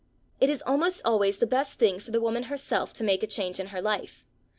It is almost always the best thing for the woman herself to make a change in her life.